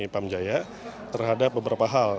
pamjaya terhadap beberapa hal